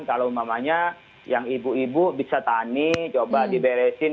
kalau umpamanya yang ibu ibu bisa tani coba diberesin